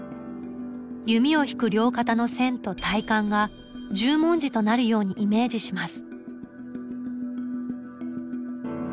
弓を引く両肩の線と体幹が十文字となるようにイメージします。